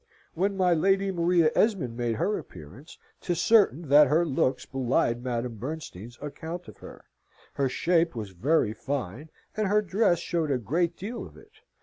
When my Lady Maria Esmond made her appearance, 'tis certain that her looks belied Madame Bernstein's account of her. Her shape was very fine, and her dress showed a great deal of it.